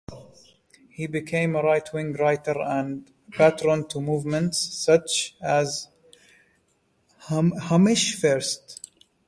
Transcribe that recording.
He became a right-wing writer and patron to movements such as Homesh First.